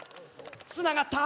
つながった。